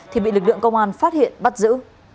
thì bị lực lượng công an phát hiện bắt giữ